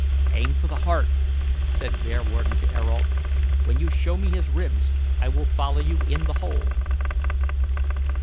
"Aim for the heart," said Bearwarden to Ayrault. "When you show me his ribs, I will follow you in the hole."